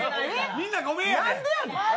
みんなごめんやで。